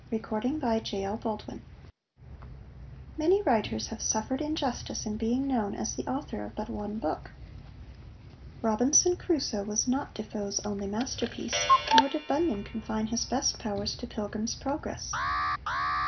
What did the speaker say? CORNELLI By JOHANNA SPYRI FOREWORD Many writers have suffered injustice in being known as the author of but one book. Robinson Crusoe was not Defoe's only masterpiece, nor did Bunyan confine his best powers to Pilgrim's Progress.